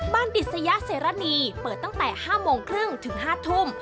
บ้านดิศยาเสรรณีเปิดตั้งแต่๕๓๐ถึง๕๐๐ทุ่ม